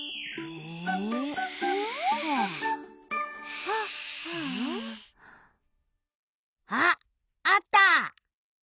あっあった！